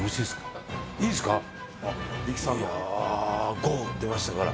ゴー出ましたから。